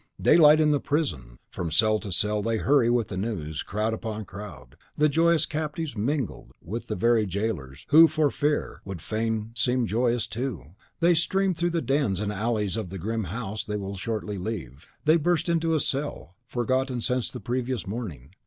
.... Daylight in the prison. From cell to cell they hurry with the news, crowd upon crowd; the joyous captives mingled with the very jailers, who, for fear, would fain seem joyous too; they stream through the dens and alleys of the grim house they will shortly leave. They burst into a cell, forgotten since the previous morning.